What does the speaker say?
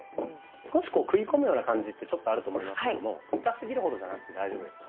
少し食い込むような感じってちょっとあると思いますけども痛すぎるほどじゃなくて大丈夫です。